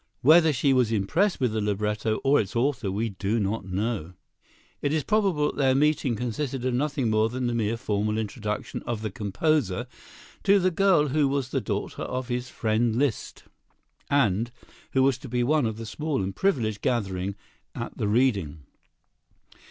Whether she was impressed with the libretto or its author we do not know. It is probable that their meeting consisted of nothing more than the mere formal introduction of the composer to the girl who was the daughter of his friend Liszt, and who was to be one of the small and privileged gathering at the reading.